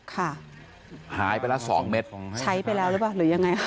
ค่ะหายไปละสองเม็ดใช้ไปแล้วหรือเปล่าหรือยังไงคะ